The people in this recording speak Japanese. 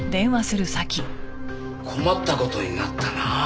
困った事になったなあ。